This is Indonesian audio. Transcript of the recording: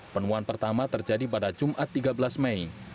penemuan pertama terjadi pada jumat tiga belas mei